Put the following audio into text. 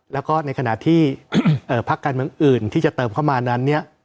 แล้วก็ในขณะที่พักการเมืองอื่นที่จะเติมเข้ามานั้นเนี่ย